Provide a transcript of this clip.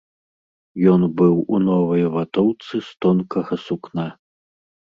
Ён быў у новай ватоўцы з тонкага сукна.